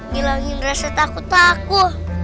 hilangin rasa takut takut